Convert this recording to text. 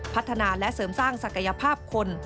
พัฒนาและเสริมสร้างศักยภาพคน